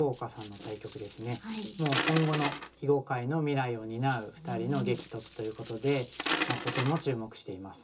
もう今後の囲碁界の未来を担う２人の激突ということでとても注目しています。